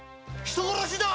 人殺しだ！